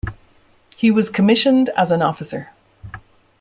He was commissioned as an officer.